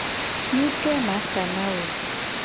Nuke ma sa na wo ?